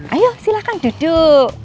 ayo silahkan duduk